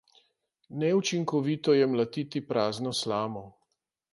Neučinkovito je mlatiti prazno slamo.